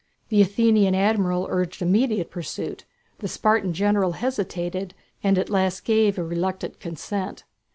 The Athenian admiral urged immediate pursuit, the Spartan general hesitated and at last gave a reluctant consent.